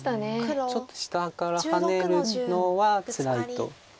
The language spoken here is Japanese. ちょっと下からハネるのはつらいと。